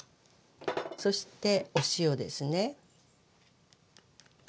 そしてお塩ですね。